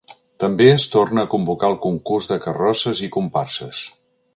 També es torna a convocar el concurs de carrosses i comparses.